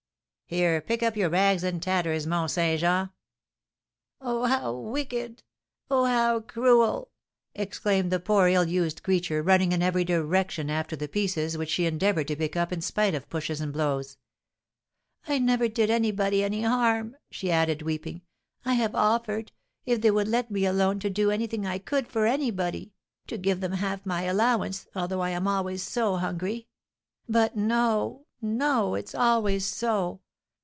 "Here, pick up your rags and tatters, Mont Saint Jean." "Oh, how wicked! Oh, how cruel!" exclaimed the poor ill used creature, running in every direction after the pieces, which she endeavoured to pick up in spite of pushes and blows. "I never did anybody any harm," she added, weeping. "I have offered, if they would let me alone, to do anything I could for anybody, to give them half my allowance, although I am always so hungry; but, no! no! it's always so.